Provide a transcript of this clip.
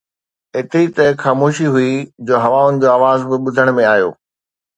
ايتري ته خاموشي هئي جو هوائن جو آواز به ٻڌڻ ۾ آيو